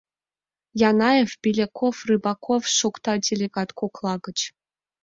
— Янаев, Беляков, Рыбаков, — шокта делегат кокла гыч.